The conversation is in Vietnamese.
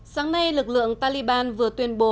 sáng nay lực lượng taliban vừa tuyên bố